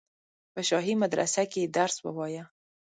په شاهي مدرسه کې یې درس ووایه.